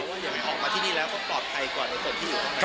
อเจมส์ออกมาที่นี่แล้วก็ปลอดภัยกว่าในส่วนที่อยู่นะครับ